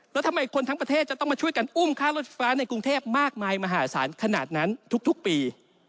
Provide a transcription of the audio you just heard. แล้วทำไมคนทั้งประเทศจะต้องมาช่วยกันอุ้มค่ารถไฟฟ้าในกรุงเทพมากมายมหาศาลขนาดนั้นทุกปี